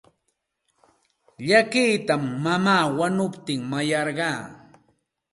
Llakita mamaa wanukuptin mayarqaa.